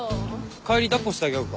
帰り抱っこしてあげようか？